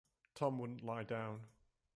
Tom wouldn't lie down.